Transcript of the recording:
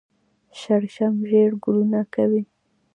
شړشم ژیړ ګلونه کوي